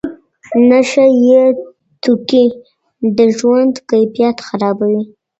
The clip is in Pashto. نشه یې توکي د ژوند کیفیت خرابوي.